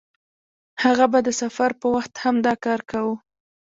هغه به د سفر په وخت هم دا کار کاوه.